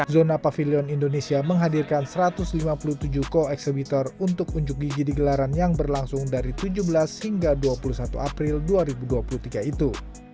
zona pavilion indonesia menghadirkan satu ratus lima puluh tujuh koeksibitor untuk unjuk gigi di gelaran yang berlangsung dari tujuh belas hingga dua puluh satu april dua ribu dua puluh tiga itu